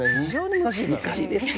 難しいですね。